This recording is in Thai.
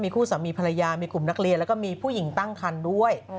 คู่สามีภรรยามีกลุ่มนักเรียนแล้วก็มีผู้หญิงตั้งคันด้วย